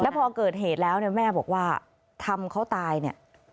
พอเกิดเหตุแล้วเนี่ยแม่บอกว่าทำเขาตายเนี่ย